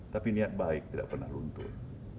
tapi niat baik tidak pernah luntur